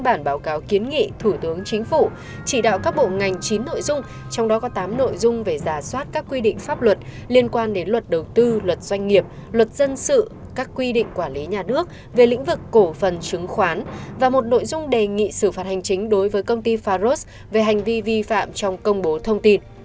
bản báo cáo kiến nghị thủ tướng chính phủ chỉ đạo các bộ ngành chín nội dung trong đó có tám nội dung về giả soát các quy định pháp luật liên quan đến luật đầu tư luật doanh nghiệp luật dân sự các quy định quản lý nhà nước về lĩnh vực cổ phần chứng khoán và một nội dung đề nghị xử phạt hành chính đối với công ty faros về hành vi vi phạm trong công bố thông tin